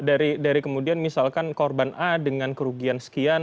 dari kemudian misalkan korban a dengan kerugian sekian